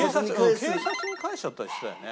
警察に返しちゃったりしてたよね。